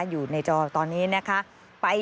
อยู่ในจอตอนนี้นะคะ